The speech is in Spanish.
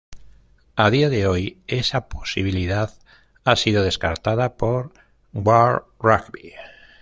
A día de hoy, esa posibilidad ha sido descartada por World Rugby.